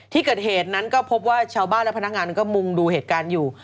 ที่เกิดเหตุนั้นก็พบว่าชาวบ้านและพนักงานก็มุงดูเหตุการณ์อยู่